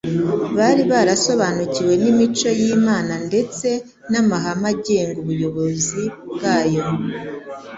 bari barasobanukiwe n’imico y’Imana ndetse n’amahame agenga ubuyobozi bwayo